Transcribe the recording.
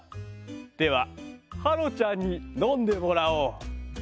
でははろちゃんにのんでもらおう。